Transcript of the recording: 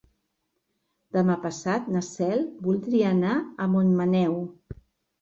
Demà passat na Cel voldria anar a Montmaneu.